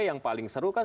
yang paling seru kan